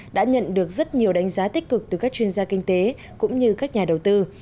đã nhận được rất nhiều đánh giá tích cực từ các chuyên gia kinh tế cũng như các nhà đầu tư